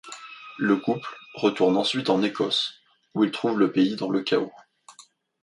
Le couple retourne ensuite en Écosse où il trouve le pays dans le chaos.